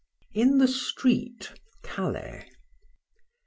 IN THE STREET. CALAIS.